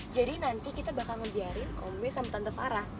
jadi nanti kita bakal ngebiarin ombe sama tante farah